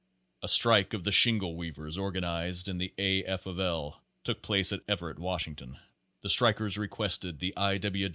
A strike of the shingle weavers organized in the A. F. of L. took place at Everett, Washington. The strik ers requested the I.